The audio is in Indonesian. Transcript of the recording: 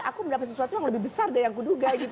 aku mendapat sesuatu yang lebih besar dari yang kuduga gitu